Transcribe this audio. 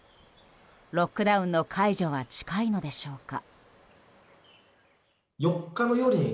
ロックダウンの解除は近いのでしょうか。